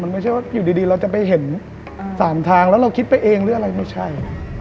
ไม่ใช่ว่าอยู่ดีเราจะไปเห็น๓ทางแล้วเราคิดไปเองหรืออะไรไม่ใช่